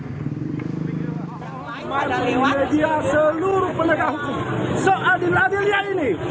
diungkapkan seadil adilnya ini